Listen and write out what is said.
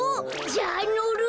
じゃあのる。